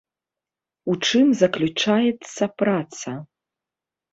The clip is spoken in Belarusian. У чым заключаецца праца?